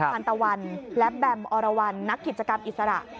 ทันตะวันและแบมอรวรรณนักกิจกรรมอิสระ